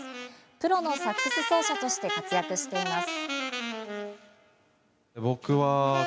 プロのサックス奏者として活躍しています。